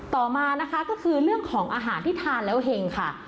ต่อมานะคะก็คือเรื่องของอาหารที่ทานแล้วเห็งค่ะ